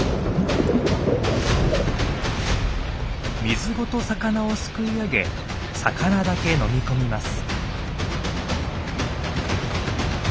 水ごと魚をすくい上げ魚だけ飲み込みます。